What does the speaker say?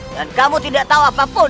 dan kamu tidak tahu apapun